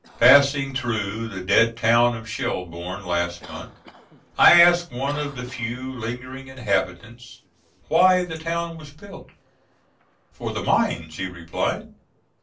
Passing through the dead town of Schellbourne last month, I asked one of the few lingering inhabitants why the town was built. "For the mines," he replied.